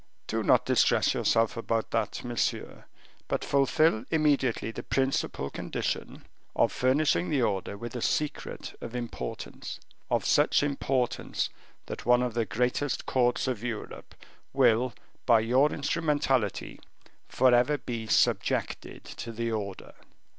"Do not distress yourself about that, monsieur, but fulfil immediately the principal condition, of furnishing the order with a secret of importance, of such importance that one of the greatest courts of Europe will, by your instrumentality, forever be subjected to the order.